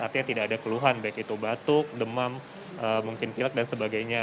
artinya tidak ada keluhan baik itu batuk demam mungkin pilek dan sebagainya